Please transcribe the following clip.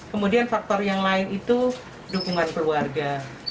kemudian faktor yang lain itu dukungan keluarga